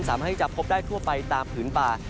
สามารถที่จะพบได้ทั่วไปตามผืนป่า